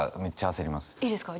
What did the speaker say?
いいですか？